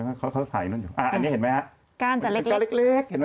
อันนี้เห็นไหมครับก้านจะเล็ก